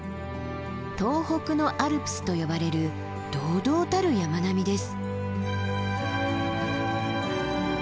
東北のアルプスと呼ばれる堂々たる山並みです。